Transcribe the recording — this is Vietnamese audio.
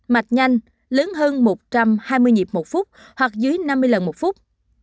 mạch nhanh lớn hơn một trăm hai mươi nhịp một phút hoặc dưới năm mươi lần một phút